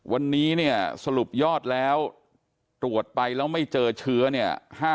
วันนี้เนี่ยสรุปยอดแล้วตรวจไปแล้วไม่เจอเชื้อเนี่ย